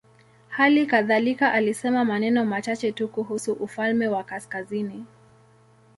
Hali kadhalika alisema maneno machache tu kuhusu ufalme wa kaskazini.